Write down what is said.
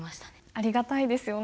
ありがたいですよね。